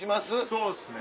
そうですね。